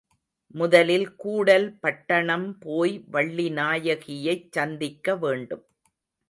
முதலில் கூடல் பட்டணம் போய் வள்ளிநாயகியைச் சந்திக்க வேண்டும்.